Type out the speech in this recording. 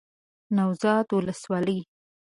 نوزاد ولسوالۍ